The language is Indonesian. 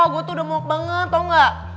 gue tuh udah mok banget tau gak